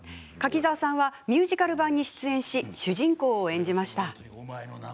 柿澤さんは、ミュージカル版に出演し、主人公を演じました。